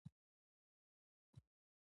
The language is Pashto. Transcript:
چې د کمزورۍ سبب کېږي پوه شوې!.